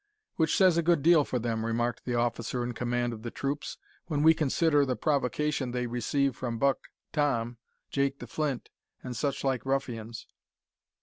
"Which says a good deal for them," remarked the officer in command of the troops, "when we consider the provocation they receive from Buck Tom, Jake the Flint, and such like ruffians."